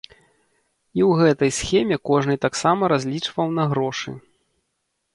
І ў гэтай схеме кожны таксама разлічваў на грошы.